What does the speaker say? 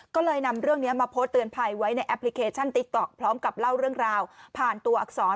ก็เลยนำเรื่องนี้มาโพสต์เตือนภัยไว้ในแอปพลิเคชันติ๊กต๊อกพร้อมกับเล่าเรื่องราวผ่านตัวอักษร